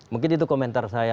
mungkin itu komentar saya